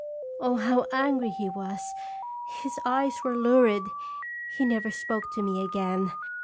Oh, how angry he was! his eyes were lurid, he never spoke to me again.